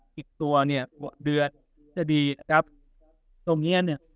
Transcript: กลิ่งตัวเนี่ยว่าเดือดใช่มั้ยตรงเนี่ยเนี่ย